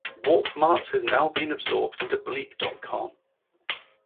Warpmart has now been absorbed into Bleep dot com.